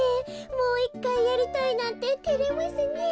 もういっかいやりたいなんててれますねえ。